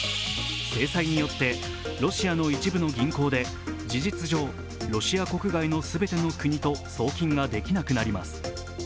制裁によってロシアの一部の銀行で事実上、ロシア国外の全ての国と送金ができなくなります。